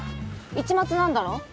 市松なんだろ？